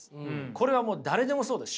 これはもう誰でもそうです。